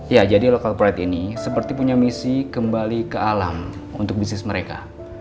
ya jadi local pride ini seperti punya misi kembali ke alam untuk bisnis mereka